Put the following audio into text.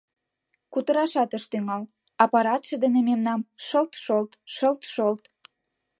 Кутырашат ыш тӱҥал — аппаратше дене мемнам шылт-шолт, шылт-шолт.